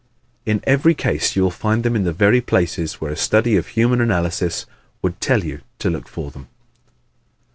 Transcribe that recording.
In every case you will find them in the very places where a study of Human Analysis would tell you to look for them.